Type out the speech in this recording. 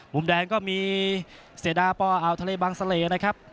มุมแดงก็มีเสดาฟอาวทะเลบางเศรษฐ์ครับ